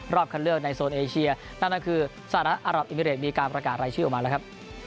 คันเลือกในโซนเอเชียนั่นก็คือสหรัฐอารับอิมิเรตมีการประกาศรายชื่อออกมาแล้วครับ